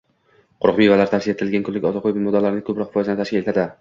Quruq mevalar tavsiya etilgan kunlik ozuqaviy moddalarning ko‘proq foizini tashkil etadi